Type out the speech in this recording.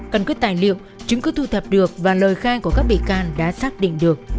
căn cứ tài liệu chứng cứ thu thập được và lời khai của các bị can đã xác định được